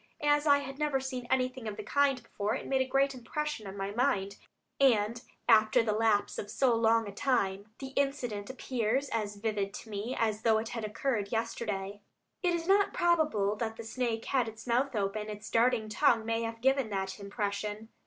As I had never seen anything of the kind before, it made a great impression on my mind, and after the lapse of so long a time, the incident appears as vivid to me as though it had occurred yesterday." It is not probable that the snake had its mouth open; its darting tongue may have given that impression.